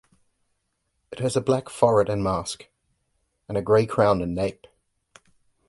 It has a black forehead and mask and grey crown and nape.